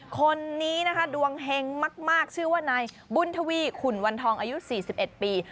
คนนี้นะคะดวงเฮงมากชื่อว่านายบุญทวีขุนวันทองอายุ๔๑ปี